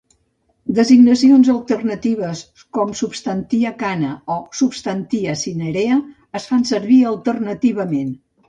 Designacions alternatives com "substantia cana" i "substantia cinerea" es fan servir alternativament.